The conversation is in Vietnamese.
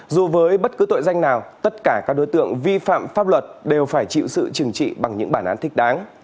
dù với bất cứ tội danh nào tất cả các đối tượng vi phạm pháp luật đều phải chịu sự trừng trị bằng những bản án thích đáng